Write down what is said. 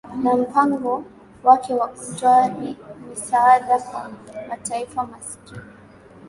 na mpango wake wa kutoa misaada kwa mataifa maskini